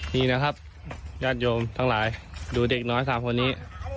นี่นะครับญาติโยมทั้งหลายดูเด็กน้อย๓คนนี้